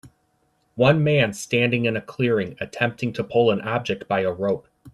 One man standing in a clearing attempting to pull an object by a rope.